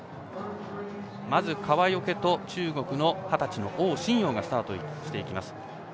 まず川除と、中国の二十歳の王晨陽がスタートしていきます。